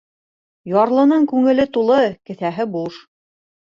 Ярлының күңеле тулы, кеҫәһе буш.